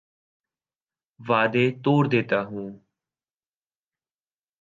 وعدے توڑ دیتا ہوں